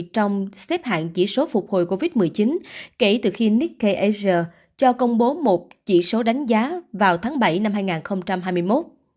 trong xếp hạng chỉ số phục hồi covid một mươi chín kể từ khi nikkei asia cho công bố một chỉ số đánh giá vào tháng bảy năm hai nghìn hai mươi một